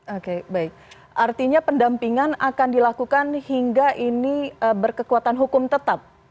oke baik artinya pendampingan akan dilakukan hingga ini berkekuatan hukum tetap